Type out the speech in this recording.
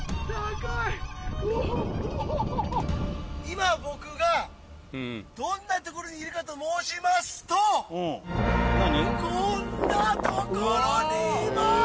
今僕がどんな所にいるかと申しますとこんな所にいます！